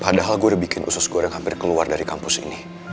padahal gue udah bikin usus goreng hampir keluar dari kampus ini